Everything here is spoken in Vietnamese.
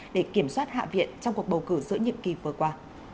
để kiểm soát hạ viện trong cuộc bầu cử giữa nhiệm kỳ vừa qua